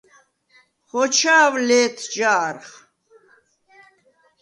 ხოჩა̄ვ ლე̄თ ჯა̄რხ!